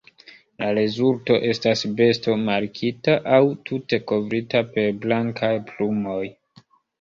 La rezulto estas besto markita, aŭ tute kovrita per blankaj plumoj.